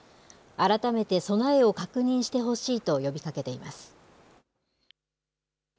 改めて備えを確認してほしいと呼びかけています。